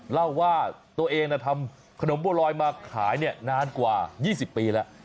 เล่าว่าตัวเองทำขนมบัวลอยมาขายนานกว่า๒๐ปีแล้ว